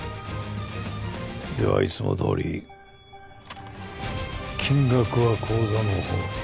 ではいつもどおり金額は口座のほうに。